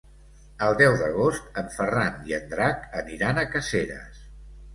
El deu d'agost en Ferran i en Drac aniran a Caseres.